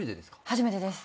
初めてです。